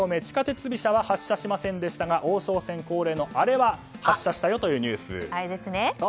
地下鉄飛車は発車しませんでしたが王将戦恒例のあれは発車したよというニュース。